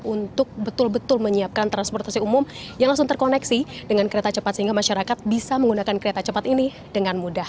untuk betul betul menyiapkan transportasi umum yang langsung terkoneksi dengan kereta cepat sehingga masyarakat bisa menggunakan kereta cepat ini dengan mudah